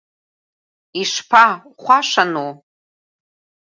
Ишԥа, хәашану?!